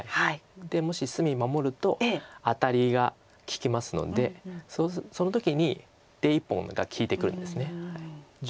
でもし隅守るとアタリが利きますのでその時に出１本が利いてくるんです。